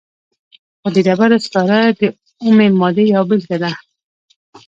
خو د ډبرو سکاره د اومې مادې یوه بیلګه ده.